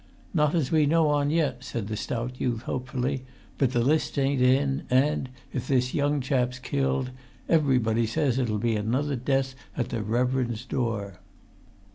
"Not as we know on yet," said the stout youth, hopefully. "But the lists ain't in, and, if this young chap's killed, everybody says it'll be another death at the reverend's door."